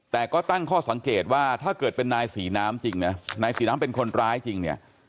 แต่ก็ตั้งข้อสังเกตว่าถ้าเกิดเป็นนายศรีน้ำจริงนะนายศรีน้ำเป็นคนร้ายจริงเนี่ย